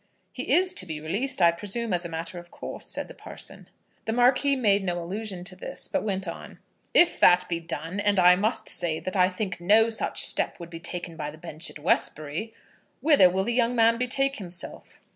"He is to be released, I presume, as a matter of course," said the parson. The Marquis made no allusion to this, but went on. "If that be done, and I must say that I think no such step would be taken by the bench at Westbury, whither will the young man betake himself?"